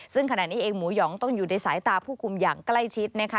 ซึ่งขณะนี้เองหมูหยองต้องอยู่ในสายตาผู้คุมอย่างใกล้ชิดนะคะ